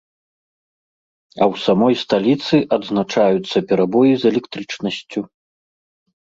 А ў самой сталіцы адзначаюцца перабоі з электрычнасцю.